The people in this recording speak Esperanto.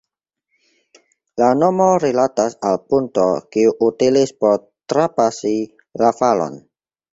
La nomo rilatas al ponto kiu utilis por trapasi la valon.